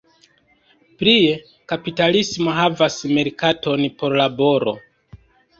Plie, kapitalismo havas merkaton por laboro.